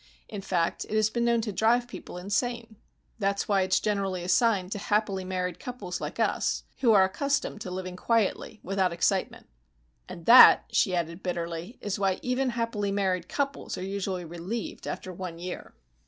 In fact, it has been known to drive people insane. That's why it's generally assigned to happily married couples like us, who are accustomed to living quietly, without excitement." "And that," she added bitterly, "is why even happily married couples are usually relieved after one year."